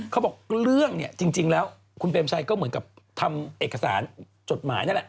เขาบอกเรื่องเนี่ยจริงแล้วคุณเปรมชัยก็เหมือนกับทำเอกสารจดหมายนั่นแหละ